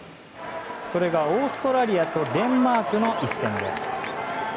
それがオーストラリアとデンマークの一戦です。